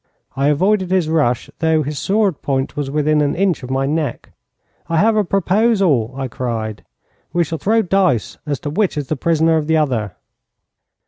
I avoided his rush, though his sword point was within an inch of my neck. 'I have a proposal,' I cried. 'We shall throw dice as to which is the prisoner of the other.'